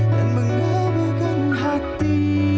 dan mengamalkan hati